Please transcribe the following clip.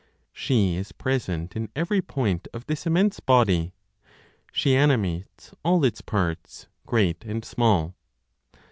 She is present in every point of this immense body, she animates all its parts, great and small.